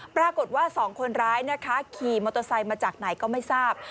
ปรากฏว่าสองคนร้ายนะคะขี่มอเตอร์ไซค์มาจากไหนก็ไม่ทราบ